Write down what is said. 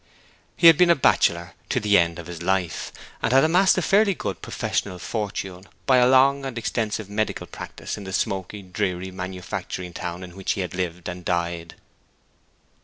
He had been a bachelor to the end of his life, and had amassed a fairly good professional fortune by a long and extensive medical practice in the smoky, dreary, manufacturing town in which he had lived and died.